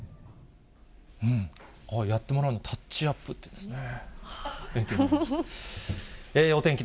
ああやってもらうの、タッチアップっていうんですね。